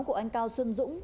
của anh cao xuân dũng